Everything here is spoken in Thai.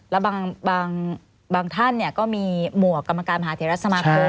แล้วบางท่านก็มีหมวกกรรมการมหาเทรสมาคม